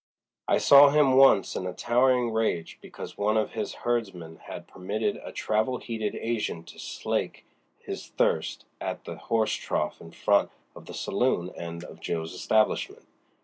I saw him once in a towering rage because one of his herdsmen had permitted a travel heated Asian to slake his thirst at the horse trough in front of the saloon end of Jo.'s establishment.